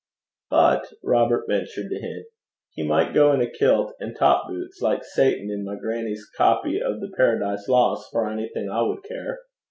'But,' Robert ventured to hint, 'he might go in a kilt and top boots, like Satan in my grannie's copy o' the Paradise Lost, for onything I would care.'